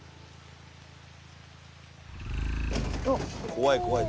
怖い怖い。